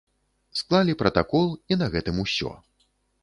Склалі пратакол, і на гэтым усё.